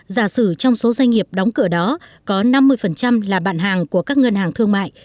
giả sử trong số doanh nghiệp đóng cửa đó có năm mươi là bạn hàng của các ngân hàng thương mại